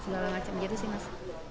segala macam gitu sih mas